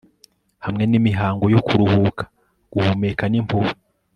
hamwe n'imihango yo kuruhuka guhumeka n'impuhwe